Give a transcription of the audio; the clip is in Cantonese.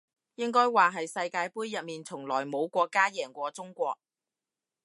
應該話係世界盃入面從來冇國家贏過中國